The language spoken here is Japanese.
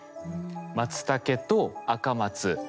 マツタケとアカマツ。